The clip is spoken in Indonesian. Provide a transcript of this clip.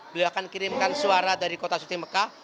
beliau akan kirimkan suara dari kota suti mekah